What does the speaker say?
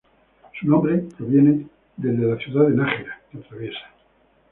Su nombre proviene del de la ciudad de Nájera, que atraviesa.